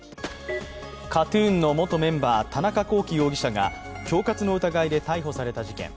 ＫＡＴ−ＴＵＮの元メンバー田中聖容疑者が恐喝の疑いで逮捕された事件。